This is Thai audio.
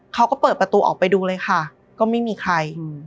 เขาก็เปิดประตูออกไปดูเลยค่ะก็ไม่มีใคร